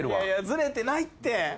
ずれてないって。